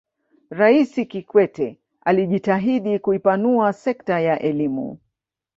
raisi kikwete alijitahidi kuipanua sekta ya elimu